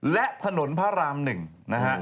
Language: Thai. และถนนพระราม๑นะฮะ